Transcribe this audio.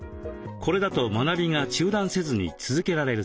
これだと学びが中断せずに続けられるそう。